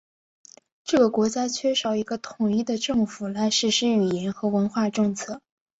这个国家缺少一个统一的政府来实施语言和文化政策。